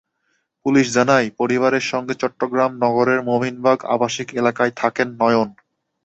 Police জানায়, পরিবারের সঙ্গে চট্টগ্রাম নগরের মোমিনবাগ আবাসিক এলাকায় থাকেন নয়ন।